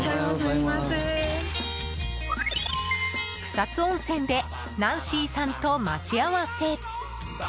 草津温泉でナンシーさんと待ち合わせ。